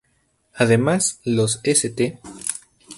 Además los St.